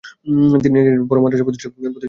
তিনি নাজিরহাট বড় মাদ্রাসা প্রতিষ্ঠা করেছিলেন।